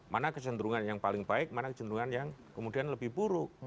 mana kecenderungan yang paling baik mana kecenderungan yang kemudian lebih buruk